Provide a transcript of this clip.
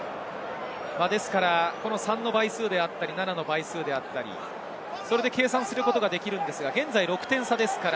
ですから３の倍数であったり、７の倍数であったり、それで計算することができるのですが現在６点差ですから。